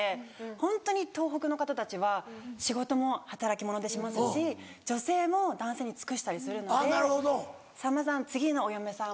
ホントに東北の方たちは仕事も働き者でしますし女性も男性に尽くしたりするのでさんまさん